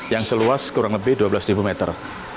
yang seluas kurang lebih dua belas meter